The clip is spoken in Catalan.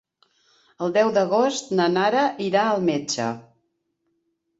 El deu d'agost na Nara irà al metge.